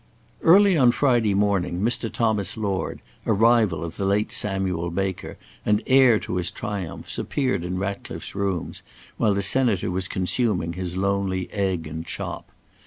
Early on Friday morning, Mr. Thomas Lord, a rival of the late Samuel Baker, and heir to his triumphs, appeared in Ratcliffe's rooms while the Senator was consuming his lonely egg and chop.